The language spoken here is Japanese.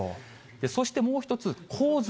そして、もう一つ、洪水。